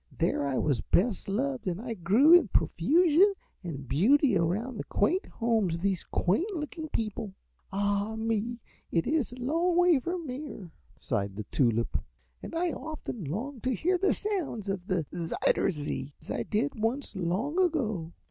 There I was best loved and grew in profusion and beauty around the quaint homes of these quaint looking people. "Ah, me, it is a long way from here," sighed the Tulip, "and I often long to hear the sound of the Zuider Zee as I did once long ago."